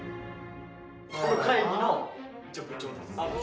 この会議の一応部長です。